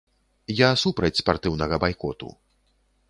Я супраць спартыўнага байкоту.